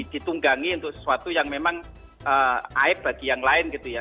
ditunggangi untuk sesuatu yang memang aib bagi yang lain gitu ya